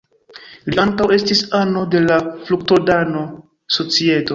Li ankaŭ estis ano de la "Fruktodona Societo".